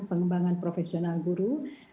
pengembangan profesional guru